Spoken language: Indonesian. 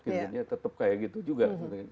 pinjaunya tetap kayak gitu juga